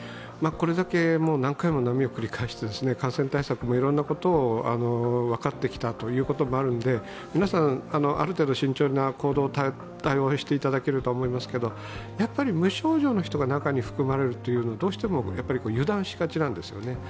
これだけ何回も波を繰り返して感染対策もいろんなことを分かってきたということもあるんで皆さん、ある程度慎重な行動、対応をしていただけるとは思いますけれども、やはり無症状の人が中に含まれると、どうしても油断しがちなんですよね。